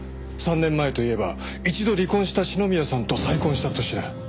３年前といえば一度離婚した篠宮さんと再婚した年だ。